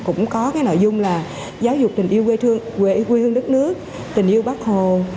cũng có cái nội dung là giáo dục tình yêu quê hương đất nước tình yêu bác hồ